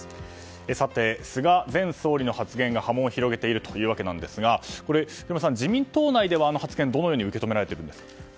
さて、菅前総理の発言が波紋を広げているわけですが自民党内の発言はどう受け止められているんですか。